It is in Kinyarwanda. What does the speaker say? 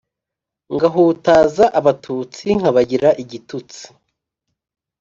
Ngahutaza abatutsi nkabagira igitutsi